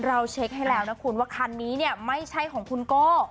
เช็คให้แล้วนะคุณว่าคันนี้เนี่ยไม่ใช่ของคุณโก้